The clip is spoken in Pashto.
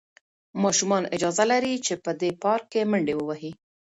ماشومان اجازه لري چې په دې پارک کې منډې ووهي.